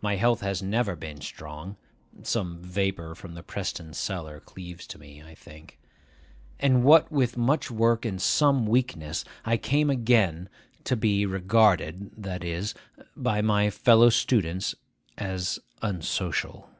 My health has never been strong (some vapour from the Preston cellar cleaves to me, I think); and what with much work and some weakness, I came again to be regarded—that is, by my fellow students—as unsocial.